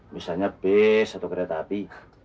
misalnya bus atau kereta api